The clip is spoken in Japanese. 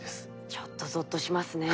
ちょっとゾッとしますね。